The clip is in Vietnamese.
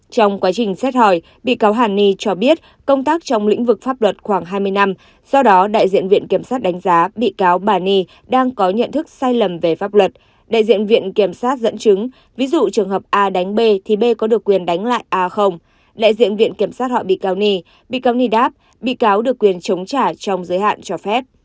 trong quá trình xét hỏi bị cáo hàn ni cho biết công tác trong lĩnh vực pháp luật khoảng hai mươi năm do đó đại diện viện kiểm sát đánh giá bị cáo bà ni đang có nhận thức sai lầm về pháp luật đại diện viện kiểm sát dẫn chứng ví dụ trường hợp a đánh b thì b có được quyền đánh lại a không đại diện viện kiểm sát họ bị cáo ni bị cáo ni đáp bị cáo được quyền chống trả trong giới hạn cho phép